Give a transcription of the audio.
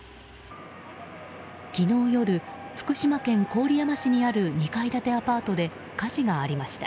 昨日夜、福島県郡山市にある２階建てアパートで火事がありました。